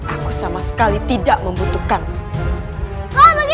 aku sama sekali tidak membutuhkan